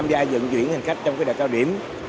và dựng chuyển hình khác trong đại cao điểm